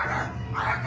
早く！